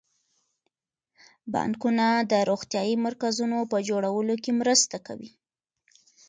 بانکونه د روغتیايي مرکزونو په جوړولو کې مرسته کوي.